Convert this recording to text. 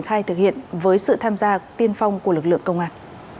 khai thực hiện với sự tham gia tiên phong của lực lượng công an